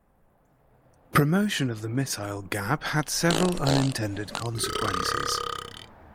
Promotion of the missile gap had several unintended consequences.